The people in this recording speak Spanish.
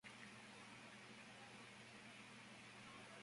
Fue entonces reemplazado por Richard Starkey, más conocido como Ringo Starr.